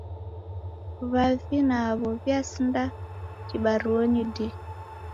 W'avi naw'o w'iasinda kibaruonyi dii.